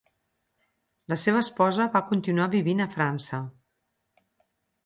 La seva esposa va continuar vivint a França.